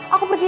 aku pergi ya